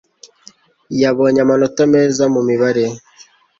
Yabonye amanota meza mu mibare.